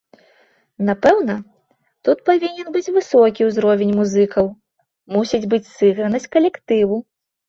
Напэўна, тут павінен быць высокі ўзровень музыкаў, мусіць быць сыгранасць калектыву.